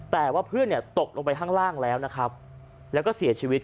แต่ว่าเพื่อนตกลงไปข้างล่างแล้วแล้วก็เสียชีวิต